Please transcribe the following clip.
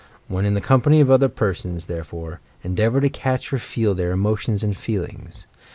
"When in the company of other persons, therefore, en deavour to catch or feel their emotions and feelings.